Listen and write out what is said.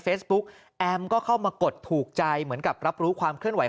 แอมก็เข้ามากดถูกใจเหมือนกับรับรู้ความเคลื่อนไหว